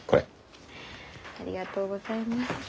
ありがとうございます。